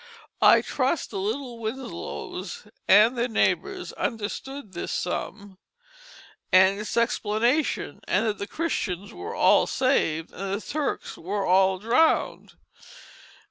I trust the little Winslows and their neighbors understood this sum, and its explanation, and that the Christians were all saved, and the Turks were all drowned.